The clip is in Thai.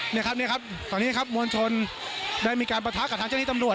นี่ครับเนี่ยครับตอนนี้ครับมวลชนได้มีการประทะกับทางเจ้าที่ตำรวจ